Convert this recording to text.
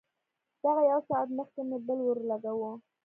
دغه يو ساعت مخکې مې بل ورولګاوه.